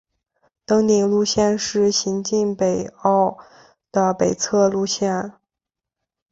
登顶路线是行经北坳的北侧路线。